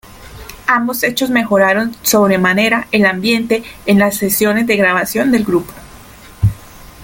Ambos hechos mejoraron sobremanera el ambiente en las sesiones de grabación del grupo.